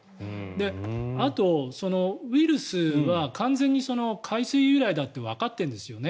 あと、ウイルスは完全に海水由来だってわかってるんですよね。